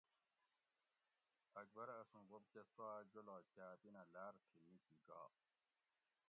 اکبرہ اسوں بوب کہ سوا جولاگ کا اپینہ لار تی نِکی گا